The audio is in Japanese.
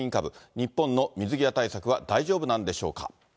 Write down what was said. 日本の水際対策は大丈夫なんでしょうか。